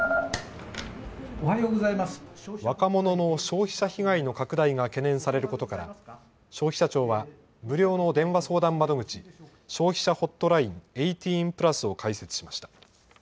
若者の消費者被害の拡大が懸念されることから、消費者庁は、無料の相談窓口、消費者ホットライン１８＋を開設しました。